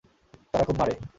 তারা খুব মারে।